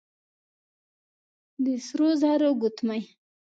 د سرو زرو ګوتمۍ،